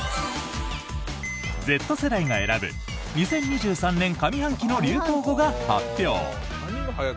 Ｚ世代が選ぶ２０２３年上半期の流行語が発表。